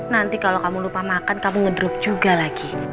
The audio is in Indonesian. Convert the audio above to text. nanti kalau kamu lupa makan kamu ngedrop juga lagi